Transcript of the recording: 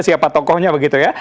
siapa tokohnya begitu ya